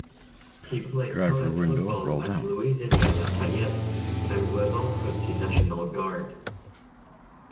He played college football at Louisiana-Lafayette, and was also in the National Guard.